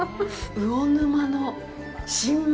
魚沼の新米！